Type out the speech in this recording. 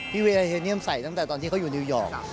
เวลเฮเนียมใส่ตั้งแต่ตอนที่เขาอยู่นิวยอร์ก